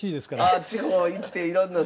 ああ地方行っていろんなその現地の。